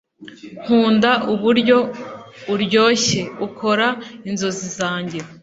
nkunda uburyo uryoshye ukora inzozi zanjye